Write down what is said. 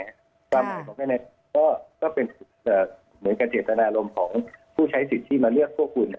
ความหมายของแม่ก็เป็นเหมือนกับเจตนารมณ์ของผู้ใช้สิทธิ์ที่มาเลือกพวกคุณ